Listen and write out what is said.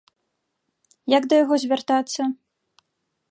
Як да яго звяртацца?